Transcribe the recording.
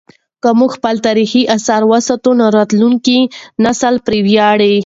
که موږ خپل تاریخي اثار وساتو نو راتلونکی نسل به پرې ویاړي.